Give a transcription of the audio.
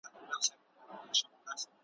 قلم ډک لرم له وینو نظم زما په وینو سور دی ,